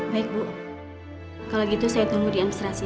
baik bu kalau gitu saya tunggu di administrasi